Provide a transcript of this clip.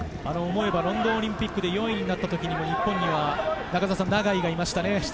ロンドンオリンピックで４位になった時も、日本は永井がいましたね。